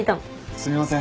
すみません。